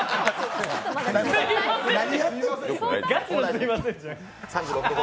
すみません。